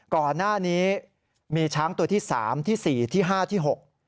ก่อนหน้านี้มีช้างตัวที่๓ที่๔ที่๕ที่๖